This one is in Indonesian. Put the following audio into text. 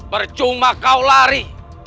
bercuma kau lari